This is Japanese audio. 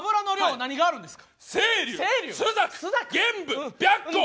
何があるんですか？